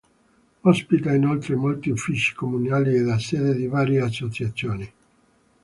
Ospita inoltre molti uffici comunali ed è sede di varie associazioni.